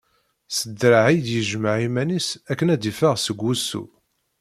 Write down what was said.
S draɛ i d-yejmeɛ iman-is akken ad d-iffeɣ seg wussu.